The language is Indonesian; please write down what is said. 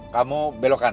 kamu belok kanan